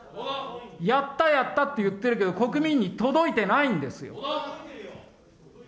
やった、やったって言ってるけど、国民に届いてないんですよ。